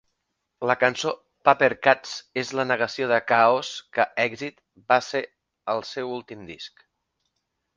La cançó Papercutz és la negació de k-os que "Exit" va ser el seu últim disc.